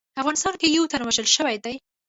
افغانستان کې یو تن وژل شوی دی